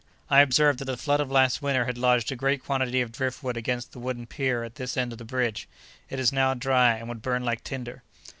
"I observed that the flood of last winter had lodged a great quantity of driftwood against the wooden pier at this end of the bridge. It is now dry and would burn like tinder."